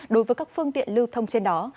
đối với các phương tiện lưu thông trên đó